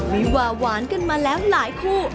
วิวาหวานกันมาแล้วหลายคู่